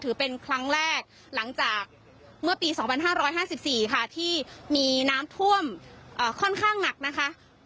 ถือเป็นครั้งแรกหลังจากเมื่อปี๒๕๕๔ค่ะที่มีน้ำท่วมค่อนข้างหนักนะคะ